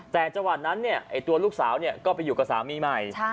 แต่จังหวัดนั้นตัวลูกสาวก็ไปอยู่กับสามีใหม่